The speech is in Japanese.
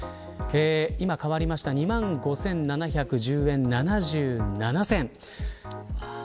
今、変わりました２万５７１０円７７銭です。